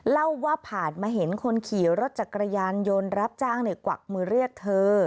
เล่าว่าผ่านมาเห็นคนขี่รถจักรยานยนต์รับจ้างกวักมือเรียกเธอ